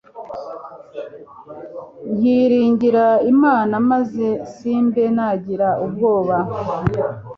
nkiringira Imana maze simbe nagira ubwoba